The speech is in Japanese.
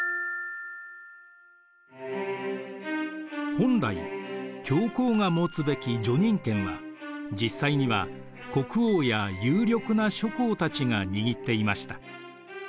本来教皇が持つべき叙任権は実際には国王や有力な諸侯たちが握っていました。